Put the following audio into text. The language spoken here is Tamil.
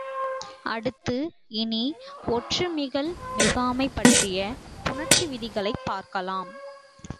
அடுத்து, இனி, ஒற்று மிகல் மிகாமை பற்றிய புணர்ச்சி விதிகளைப் பார்க்கலாம்.